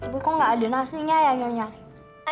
bu kok gak ada nasinya yang nyonya